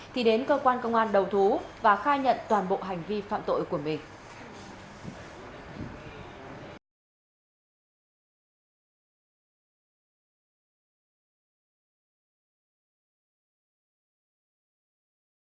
thì đến cơ quan công an đầu thú và khai nhận toàn bộ hành vi phạm tội của mình